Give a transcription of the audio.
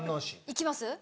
行きます？